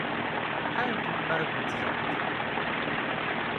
Ḥarent melmi ara kent-ẓrent.